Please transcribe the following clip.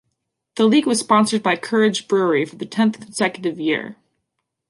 The league was sponsored by Courage Brewery for the tenth consecutive year.